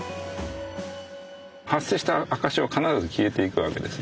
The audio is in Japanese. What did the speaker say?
発生した赤潮は必ず消えていくわけです。